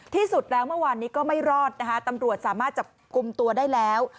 ที่สุดแล้วเมื่อวานนี้ก็ไม่รอดนะคะตำรวจสามารถจับกลุ่มตัวได้แล้ว